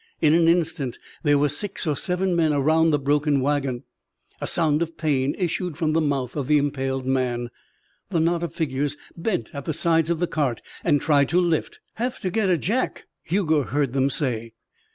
In an instant there were six or seven men around the broken wagon. A sound of pain issued from the mouth of the impaled man. The knot of figures bent at the sides of the cart and tried to lift. "Have to get a jack," Hugo heard them say.